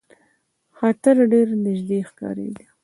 خطر ډېر نیژدې ښکارېدی.